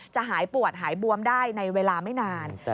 หายปวดหายบวมได้ในเวลาไม่นาน